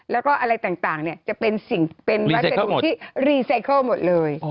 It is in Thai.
แล้วก็อะไรต่างเนี่ยจะเป็นสิ่งที่รีไซเคิลหมดเลย